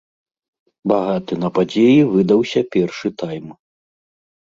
Багаты на падзеі выдаўся першы тайм.